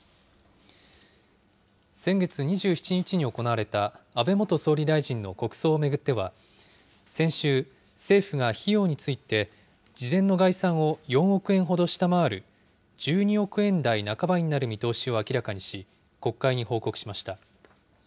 先月２７日に行われた安倍元総理大臣の国葬を巡っては、先週、政府が費用について、事前の概算を４億円ほど下回る１２億円台半ばになる見通しを明らかにし、国会に報告しました。